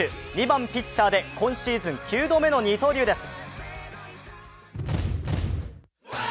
２番・ピッチャーで今シーズン９度目の二刀流です。